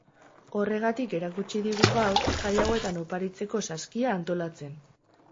Horregatik erakutsi digu gaur jai hauetan oparitzeko saskia antolatzen.